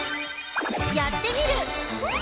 「やってみる。」